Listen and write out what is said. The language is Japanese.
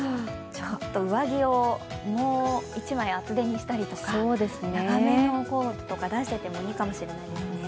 上着をもう１枚、厚手にしたりとか長めのコートとか出しておいてもいいかもしれませんね。